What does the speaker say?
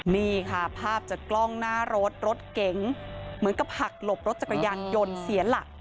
นี่ค่ะภาพจากกล้องหน้ารถรถเก๋งเหมือนกับหักหลบรถจักรยานยนต์เสียหลัก